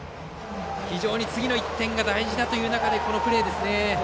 非常に次の１点が大事という中このプレーですね。